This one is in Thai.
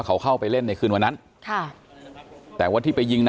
ไปทำแผนจุดเริ่มต้นที่เข้ามาที่บ่อนที่พระราม๓ซอย๖๖เลยนะครับทุกผู้ชมครับ